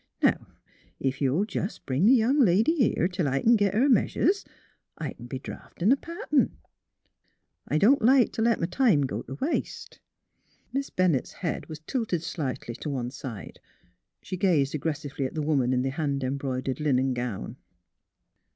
Now, ef you'll jes' bring the young lady here till I c'n git her measures, I c'n be draughtin' a pattern. I don't like t' let m' time run t' waste." Miss Bennett's head was tilted slightly to one side ; she gazed aggressively at the woman in the hand embroidered linen gown.